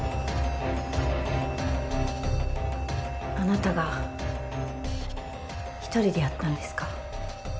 あなたが一人でやったんですか？